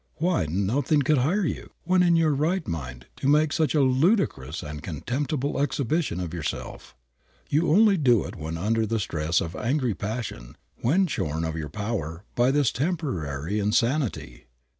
Why, nothing could hire you, when in your right mind, to make such a ludicrous and contemptible exhibition of yourself. You only do it when under the stress of angry passion, when shorn of your power by this temporary insanity.